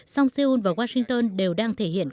song seoul và washington đều đang thể hiện